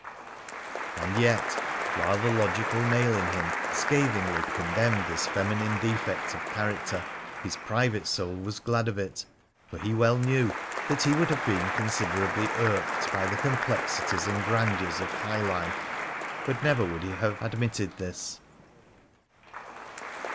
And yet, while the logical male in him scathingly condemned this feminine defect of character, his private soul was glad of it, for he well knew that he would have been considerably irked by the complexities and grandeurs of high life. But never would he have admitted this.